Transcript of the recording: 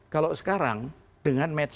kalau sekarang dengan medsos